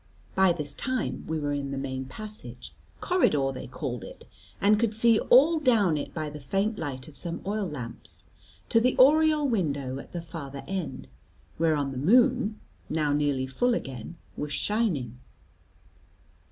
By this time we were in the main passage, "corridor" they called it, and could see all down it by the faint light of some oil lamps, to the oriel window at the farther end, whereon the moon (now nearly full again) was shining.